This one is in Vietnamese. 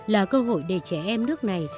là cơ hội để trẻ em nước này